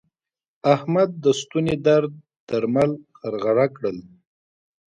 احمد د ستوني درد درمل غرغړه کړل.